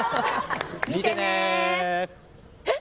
見てねえっ？